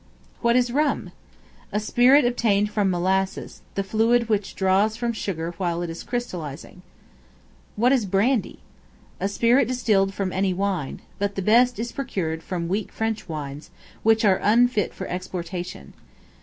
What is Rum? A spirit obtained from molasses, the fluid which drains from sugar while it is crystallizing. What is Brandy? A spirit distilled from any wine; but the best is procured from weak French wines, which are unfit for exportation.